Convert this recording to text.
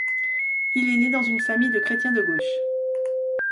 Il est né dans une famille de chrétiens de gauche.